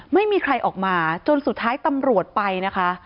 ไม่มีใครออกมาจนสุดท้ายตำรวจไปนะคะ